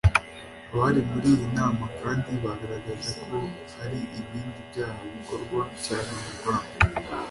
Abari muri iyi nama kandi bagaragaje ko hari ibindi byaha bikorwa cyane mu Rwanda